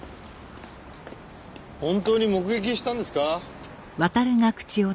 本当に目撃したんですか？